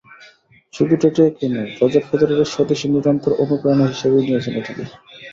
শুধু ট্যাটু এঁকেই নয়, রজার ফেদেরারের স্বদেশি নিরন্তর অনুপ্রেরণা হিসেবেই নিয়েছেন এটিকে।